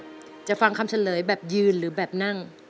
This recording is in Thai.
จะฟังคำเฉลยแบบยืนหรือแบบนั่ง